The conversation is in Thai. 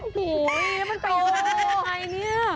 โอ้โหเป็นตัวอะไรเนี่ย